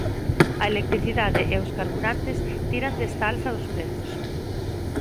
A electricidade e os carburantes tiran desta alza dos prezos.